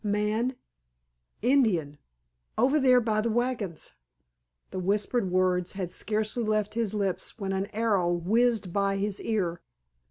"Man—Indian—over there by the wagons!" The whispered words had scarcely left his lips when an arrow whizzed by his ear.